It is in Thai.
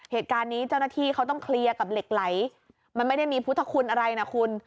เหตุการณ์นี้เจ้าหน้าที่เขาต้องเคลียร์กับเหล็กไหลมันไม่ได้มีพุทธคุณอะไรนะคุณ